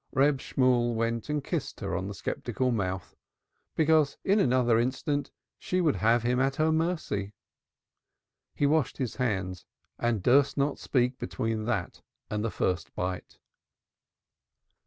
Reb Shemuel went and kissed her on the sceptical mouth, because in another instant she would have him at her mercy. He washed his hands and durst not speak between that and the first bite.